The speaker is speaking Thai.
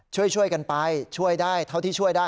ช่วยกันไปช่วยได้เท่าที่ช่วยได้